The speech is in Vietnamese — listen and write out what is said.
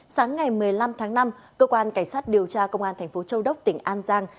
sáng ngày một mươi năm tháng năm cơ quan cảnh sát điều tra công an thành phố châu đốc tỉnh an giang